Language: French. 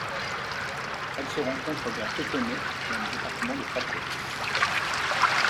Elle se rencontre vers Etome dans le département de Fako.